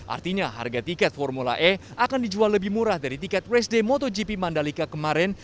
artinya harga tiket formula e akan dijual lebih murah dari tiket race day motogp mandalika kemarin